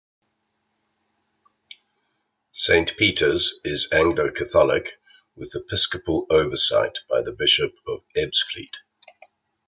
Saint Peter's is Anglo-Catholic, with episcopal oversight by the Bishop of Ebbsfleet.